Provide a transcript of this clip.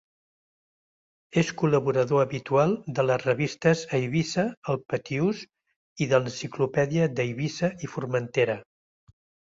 És col·laborador habitual de les revistes Eivissa, El Pitiús i de l’Enciclopèdia d'Eivissa i Formentera.